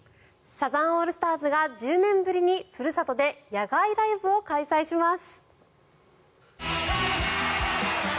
サザンオールスターズが１０年ぶりにふるさとで野外ライブを開催します。